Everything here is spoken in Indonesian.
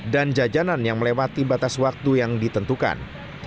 dan jajanan yang melewati batas waktu yang ditentukan